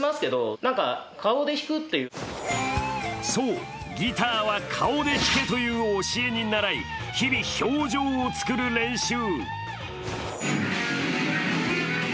そう、ギターは顔で弾けという教えにならい、日々、表情を作る練習。